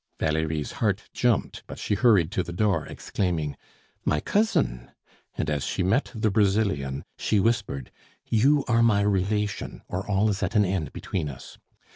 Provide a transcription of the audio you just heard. Valerie's heart jumped, but she hurried to the door, exclaiming: "My cousin!" and as she met the Brazilian, she whispered: "You are my relation or all is at an end between us!